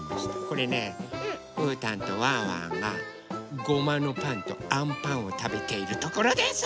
これねうーたんとワンワンがごまのパンとあんパンをたべているところです！